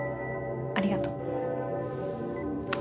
ありがとう。